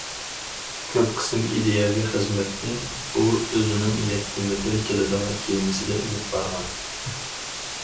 كۆپ قىسىم ئىدىيەۋى خىزمەتنى ئۇ ئۆزىنىڭ يەتتە مېتىر كېلىدىغان كېمىسىدە ئېلىپ بارغان.